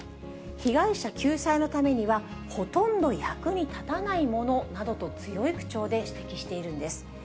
被害者救済のためにはほとんど役に立たないものなどと、強い口調で指摘しているんです。